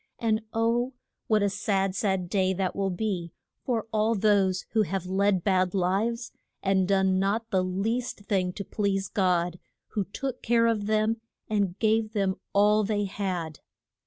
And oh! what a sad, sad day that will be for all those who have led bad lives, and done not the least thing to please God, who took care of them and gave them all they had.